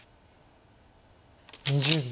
２０秒。